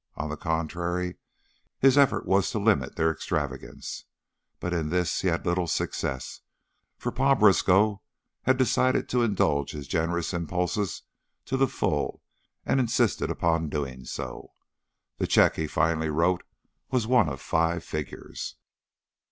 On the contrary, his effort was to limit their extravagance; but in this he had little success, for Pa Briskow had decided to indulge his generous impulses to the full and insisted upon so doing. The check he finally wrote was one of five figures.